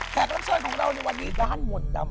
แขกรัมเชิญของเราในวันนี้ร้านหมดตำแหน่ง